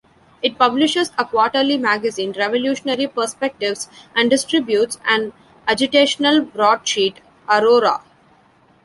It publishes a quarterly magazine, Revolutionary Perspectives and distributes an agitational broadsheet "Aurora".